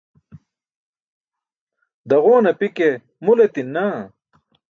Daġowan api ke mul etin naa.